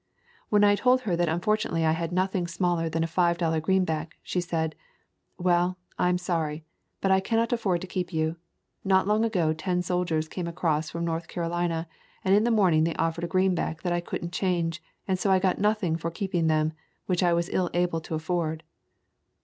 When I told her that un fortunately I had nothing smaller than a five dollar greenback, she said, "Well, I'm sorry, but cannot afford to keep you. Not long ago ten. soldiers came across from North Carolina, and in the morning they offered a greenback that I could n't change, and so I got nothing for keeping them, which I was ill able to afford."